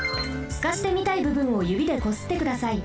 すかしてみたいぶぶんをゆびでこすってください。